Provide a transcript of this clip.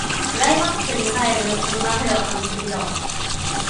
クライマックスに入るこの流れは神すぎだわ